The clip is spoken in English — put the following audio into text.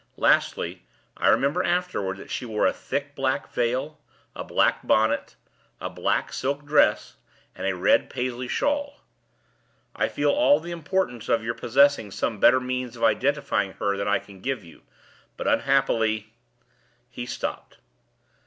Lastly, I remembered afterward that she wore a thick black veil, a black bonnet, a black silk dress, and a red Paisley shawl. I feel all the importance of your possessing some better means of identifying her than I can give you. But unhappily " He stopped.